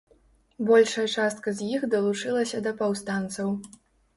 Большая частка з іх далучылася да паўстанцаў.